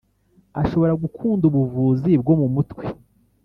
ashobora gukunda ubuvuzi bwo mu mutwe